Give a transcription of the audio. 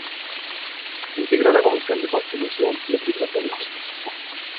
Integró la comisión de Constitución, Legislación y Justicia.